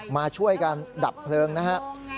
มาช่วยกันดับเพลิงนะครับ